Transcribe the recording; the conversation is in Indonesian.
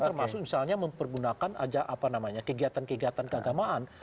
termasuk misalnya mempergunakan kegiatan kegiatan keagamaan